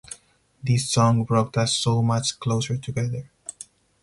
This song brought us so much closer together.